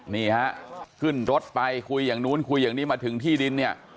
นี่ฮะขึ้นรถไปคุยอย่างนู้นคุยอย่างนี้มาถึงที่ดินเนี่ย